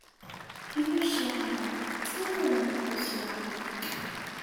He was shot along with two other men, who survived.